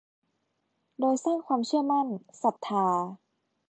โดยสร้างความเชื่อมั่น ศรัทธา